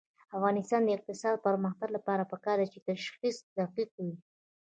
د افغانستان د اقتصادي پرمختګ لپاره پکار ده چې تشخیص دقیق وي.